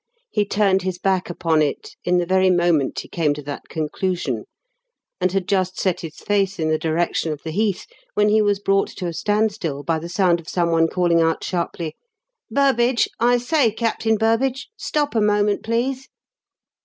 He turned his back upon it in the very moment he came to that conclusion, and had just set his face in the direction of the heath when he was brought to a standstill by the sound of someone calling out sharply: "Burbage I say, Captain Burbage: stop a moment, please."